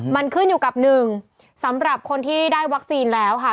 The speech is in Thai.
มันขึ้นอยู่กับหนึ่งสำหรับคนที่ได้วัคซีนแล้วค่ะ